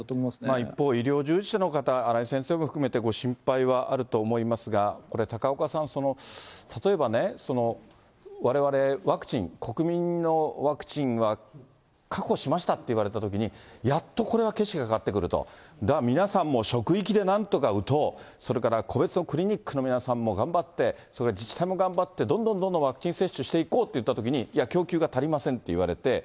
一方、医療従事者の方、荒井先生も含めてご心配はあると思いますが、これ、高岡さん、例えばね、われわれ、ワクチン、国民のワクチンは確保しましたっていわれたときに、やっとこれは景色が変わってくると、皆さんも職員でなんとか打とう、それから個別のクリニックの皆さんも頑張って、それから自治体も頑張って、どんどんどんどんワクチン接種していこうっていったときに、いや供給が足りませんって言われて。